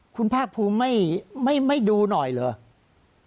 คุณภาคภูมิไม่ดูหน่อยเหรอ